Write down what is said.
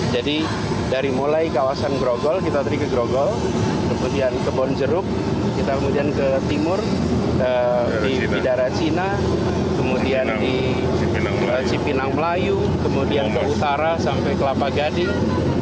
jadi dari mulai kawasan grogol kita tadi ke grogol kemudian ke bonjerub kita kemudian ke timur di bidara cina kemudian di cipinang melayu kemudian ke utara sampai ke lapagading